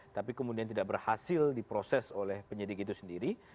tapi kemudian tidak berhasil diproses oleh penyidik itu sendiri